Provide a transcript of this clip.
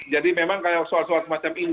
jadi memang soal soal semacam ini